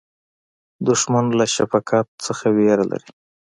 دښمن له شفقت نه وېره لري